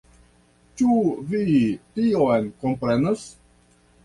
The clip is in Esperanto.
Ĉu vi tion komprenas?